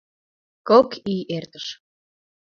Кок ий эртыш.